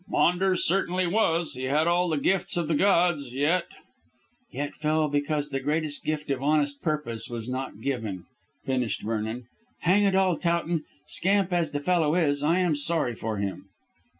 "Maunders certainly was. He had all the gifts of the gods, yet " "Yet fell because the greatest gift of honest purpose was not given," finished Vernon. "Hang it all, Towton, scamp as the fellow is, I am sorry for him."